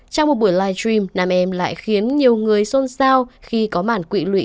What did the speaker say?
trong một buổi live stream nam em lại khiến nhiều người xôn xao khi có màn quỵ lụy